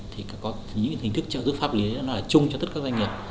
thì có những hình thức trợ giúp pháp lý nó là chung cho tất các doanh nghiệp